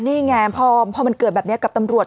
นี่ไงพอมันเกิดแบบนี้กับตำรวจ